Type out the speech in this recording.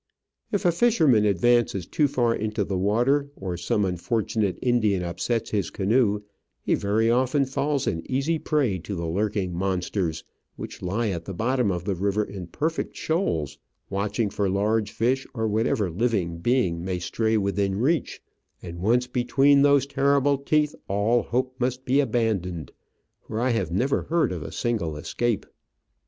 If a fisher man advances too far into the water, or some unfor tunate Indian upsets his canoe, he very often falls an easy prey to the lurking monsters which lie at the bottom of the river in perfect shoals, watching ior large fish or whatever living being may stray within reach, and once between those terrible teeth all hope must be abandoned, for I have never heard of a single escape.